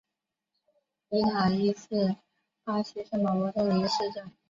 伊塔伊是巴西圣保罗州的一个市镇。